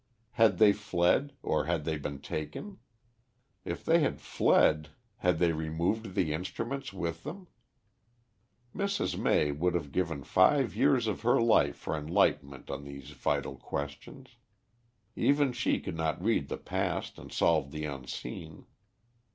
Had they fled, or had they been taken? If they had fled, had they removed the instruments with them? Mrs. May would have given five years of her life for enlightenment on these vital questions. Even she could not read the past and solve the unseen.